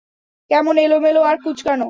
কেমন এলোমেলো আর কুঁচকানো।